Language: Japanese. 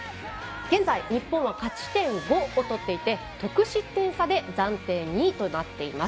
現在、日本は勝ち点５を取っていて得失点差で暫定２位となっています。